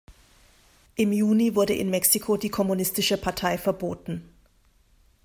Im Juni wurde in Mexiko die kommunistische Partei verboten.